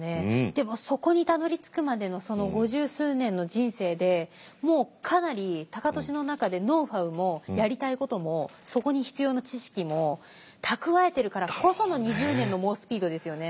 でもそこにたどりつくまでのその五十数年の人生でもうかなり高利の中でノウハウもやりたいこともそこに必要な知識も蓄えてるからこその２０年の猛スピードですよね。